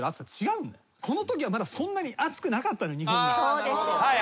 そうですよね。